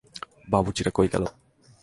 বাবুর্চিটা কই গেল?